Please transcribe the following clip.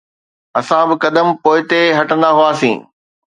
اسان ٻه قدم پوئتي هٽندا هئاسين.